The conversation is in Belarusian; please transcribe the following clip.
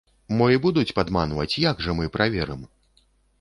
Мо і будуць падманваць, як жа мы праверым?